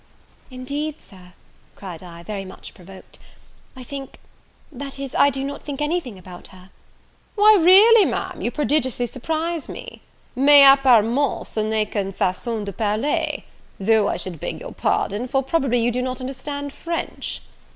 "Indeed, Sir," cried I, very much provoked, "I think that is, I do not think any thing about her." "Well, really, Ma'am, you prodigiously surprise me! mais, apparemment ce n'est qu'une facon de parler? though I should beg your pardon, for probably you do not understand French?"